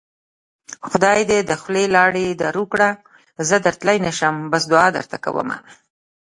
خدای دې د خولې لاړې دارو کړه زه درتلی نشم بس دوعا درته کوومه